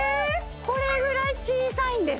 これぐらい小さいんです